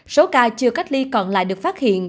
số ca chưa cách ly còn lại được phát hiện